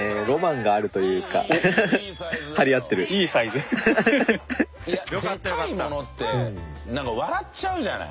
でかいものってなんか笑っちゃうじゃない？